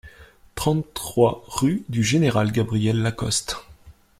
trente-trois rue du Général Gabriel Lacoste